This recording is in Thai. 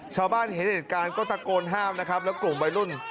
ชาวบ้านเห็นเหตุการณ์ก็ตะโกนห้ามนะครับแล้วกลุ่มวัยรุ่น